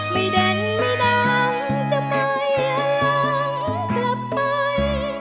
ไม่เด่นไม่ดังจะไปล้างกลับไป